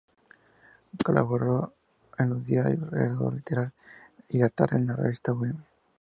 Colaboró en los diarios "Heraldo Liberal" y "La Tarde", y en la revista "Bohemia".